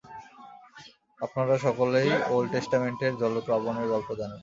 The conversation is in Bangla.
আপনারা সকলেই ওল্ড টেষ্টামেণ্টের জলপ্লাবনের গল্প জানেন।